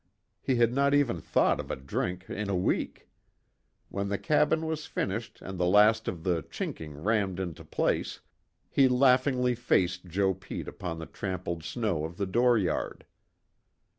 He had not even thought of a drink in a week. When the cabin was finished and the last of the chinking rammed into place, he laughingly faced Joe Pete upon the trampled snow of the dooryard.